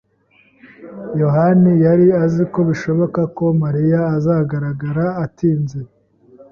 yohani yari azi ko bishoboka ko Mariya azagaragara atinze.